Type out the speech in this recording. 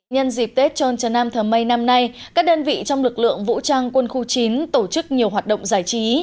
nhân dịp tết trần trần nam thờ mây năm nay các đơn vị trong lực lượng vũ trang quân khu chín tổ chức nhiều hoạt động giải trí